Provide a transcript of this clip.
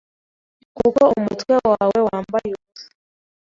kuko umutwe wawe wambaye ubusa